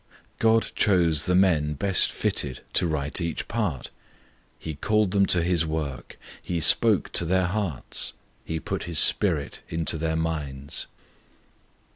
God chose the men best fitted to write each part. He called them to His work; He spoke to their hearts; He put His Spirit into their minds.